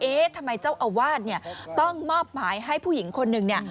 เอ๊ะทำไมเจ้าอาวาสต้องมอบหมายให้ผู้หญิงคนหนึ่ง